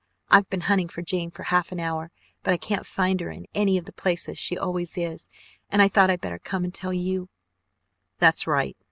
I've been hunting for Jane for half an hour, but I can't find her in any of the places she always is, and I thought I better come and tell you " "That's right.